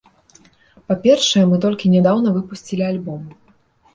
Па-першае, мы толькі нядаўна выпусцілі альбом.